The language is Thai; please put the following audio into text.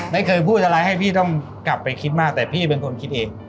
ไม่เคยพูดอะไรให้พี่ต้องกลับไปคิดมากแต่พี่เป็นคนคิดเอง